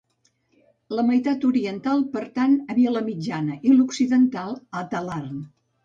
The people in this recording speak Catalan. La meitat oriental pertany a Vilamitjana, i l'occidental a Talarn.